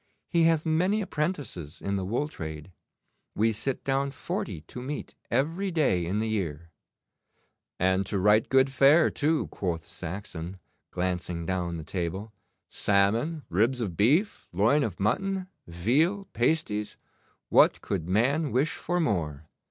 He hath many apprentices in the wool trade. We sit down forty to meat every day in the year.' 'And to right good fare, too,' quoth Saxon, glancing down the table. 'Salmon, ribs of beef, loin of mutton, veal, pasties what could man wish for more?